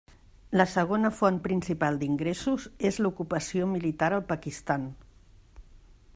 La segona font principal d'ingressos és l'ocupació militar al Pakistan.